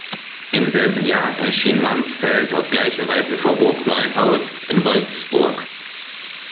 Im selben Jahr erschien Mansfeld auf gleiche Weise vor Burg Neuhaus in Wolfsburg.